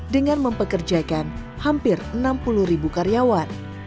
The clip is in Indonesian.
dengan mempekerjakan hampir enam puluh ribu karyawan